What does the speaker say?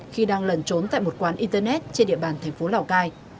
khi đang lẩn trốn tại một quán internet trên địa bàn thành phố lào cai